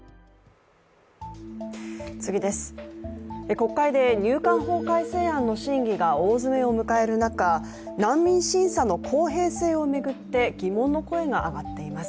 国会で入管法改正案の審議が大詰めを迎える中難民審査の公平性を巡って疑問の声が上がっています。